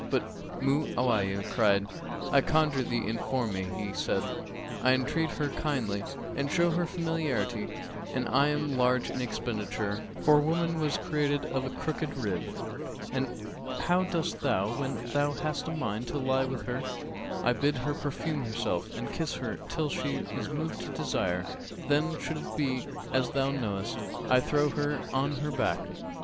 but Mu'awiyah cried, 'I conjure thee inform me.' He said, 'I entreat her kindly and show her familiarity and am large in expenditure, for woman was created of a crooked rib.'[FN#270] 'And how dost thou when thou hast a mind to lie with her?' 'I bid her perfume herself and kiss her till she is moved to desire; then, should it be as thou knowest,[FN#271] I throw her on her back.